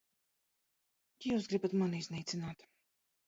Jūs gribat mani iznīcināt.